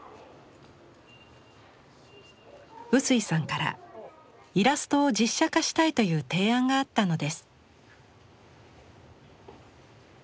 臼井さんからイラストを実写化したいという提案があったのです。